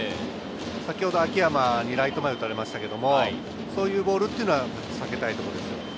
先ほど秋山にライト前を打たれましたけれど、そういうボールは避けたいところです。